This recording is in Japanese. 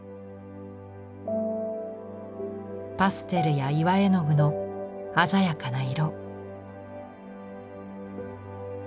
パステルや岩絵の具の鮮やかな色。